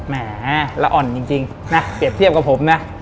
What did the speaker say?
แหมละอ่อนจริงนะเปรียบเทียบกับผมนะ